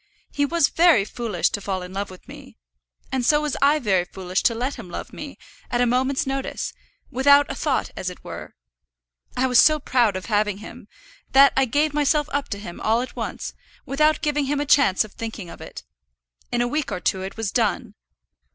He was very foolish to fall in love with me. And so was I very foolish to let him love me, at a moment's notice, without a thought as it were. I was so proud of having him, that I gave myself up to him all at once, without giving him a chance of thinking of it. In a week or two it was done.